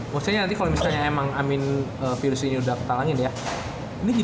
maksudnya nanti kalau misalnya emang amin virus ini udah ketalangin ya